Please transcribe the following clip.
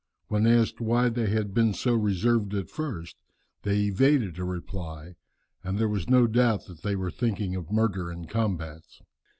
When asked why they had been so reserved at first, they evaded a reply, and there was no doubt that they were thinking of murder and combats.